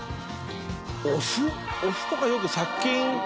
お酢とかよく殺菌。